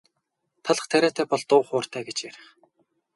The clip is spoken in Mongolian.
Талх тариатай бол дуу хууртай гэж ярих.